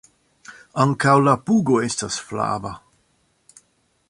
Ankaŭ la pugo estas flava.